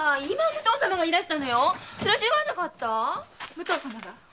武藤様が？